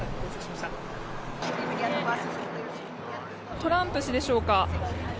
トランプ氏でしょうか。